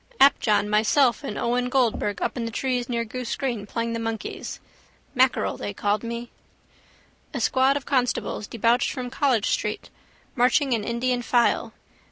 Apjohn, myself and Owen Goldberg up in the trees near Goose green playing the monkeys. Mackerel they called me. A squad of constables debouched from College street, marching in Indian file.